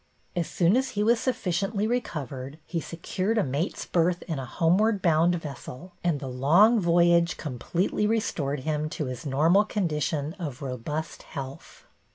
As soon as he was sufficiently recovered, he secured a mate's berth in a homeward bound vessel, and the long voyage completely re stored him to his normal condition of robust health.